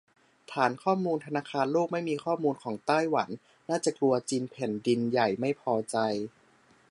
ฐานข้อมูลธนาคารโลกไม่มีข้อมูลของไต้หวัน น่าจะกลัวจีนแผ่นดินใหญ่ไม่พอใจ